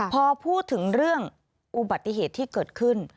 พอพูดถึงเรื่องอุบัติเหตุที่เกิดขึ้น